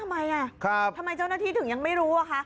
แล้วทำไมล่ะทำไมเจ้าหน้าที่ถึงยังไม่รู้